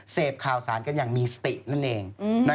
เสพข่าวสารกันอย่างมีสตินั่นเอง